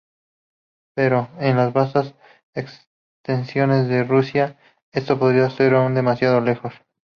Pero en las vastas extensiones de Rusia, esto podría ser aún demasiado lejos.